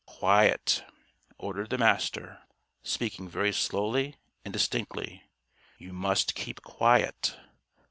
"Quiet!" ordered the Master, speaking very slowly and distinctly. "You must keep quiet.